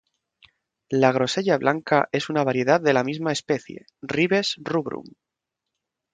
La grosella blanca es una variedad de la misma especie, "Ribes rubrum".